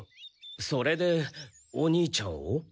それでお兄ちゃんを？